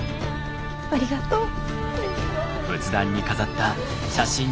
ありがとう。